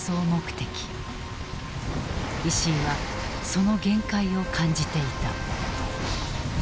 石井はその限界を感じていた。